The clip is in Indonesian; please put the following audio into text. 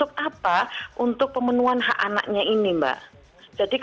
nah jadi banyak hal yang berlaku